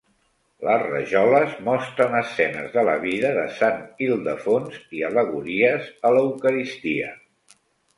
Les rajoles mostren escenes de la vida de Sant Ildefons i al·legories a l'Eucaristia.